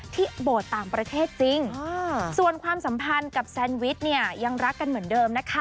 โบสถ์ต่างประเทศจริงส่วนความสัมพันธ์กับแซนวิชเนี่ยยังรักกันเหมือนเดิมนะคะ